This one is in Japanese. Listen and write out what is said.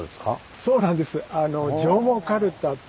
そうなんです。